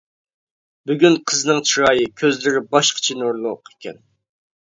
بۈگۈن قىزنىڭ چىرايى، كۆزلىرى باشقىچە نۇرلۇق ئىكەن.